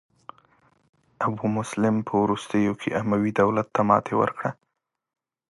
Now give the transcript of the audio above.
ابو مسلم په وروستیو کې اموي دولت ته ماتې ورکړه.